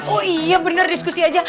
oh iya bener diskusi aja